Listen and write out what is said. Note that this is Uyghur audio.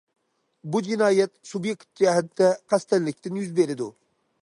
بۇ جىنايەت سۇبيېكت جەھەتتە قەستەنلىكتىن يۈز بېرىدۇ.